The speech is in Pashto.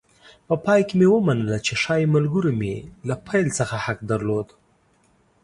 په پای کې مې ومنله چې ښایي ملګرو مې له پیل څخه حق درلود.